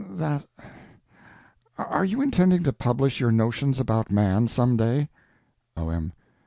that... are you intending to publish your notions about Man some day? O.M.